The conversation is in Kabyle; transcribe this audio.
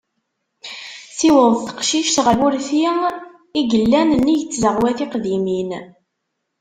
Tiweḍ teqcict ɣer wurti i yellan nnig n tzeɣwa tiqdimin.